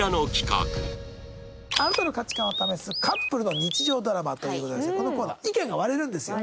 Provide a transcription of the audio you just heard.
あなたの価値観を試すカップルの日常ドラマという事でございましてこのコーナー意見が割れるんですよ。